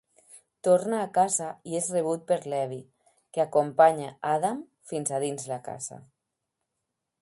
Torna a casa i és rebut per Levi, que acompanya Adam fins a dins la casa.